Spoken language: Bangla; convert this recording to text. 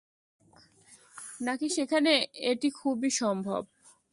নাকি সেখানে এটি খুবই সম্ভব?